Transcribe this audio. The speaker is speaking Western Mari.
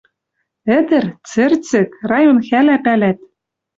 Ӹдӹр — цӹрцӹк! Район хала пӓлӓт.